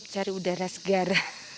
cari udara segar